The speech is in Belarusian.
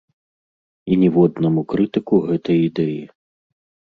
І ніводнаму крытыку гэтай ідэі.